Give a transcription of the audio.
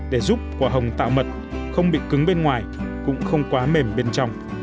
để giúp quả hồng tạo mật không bị cứng bên ngoài cũng không quá mềm bên trong